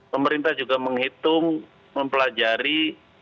pemerintah juga menghitung mempelajari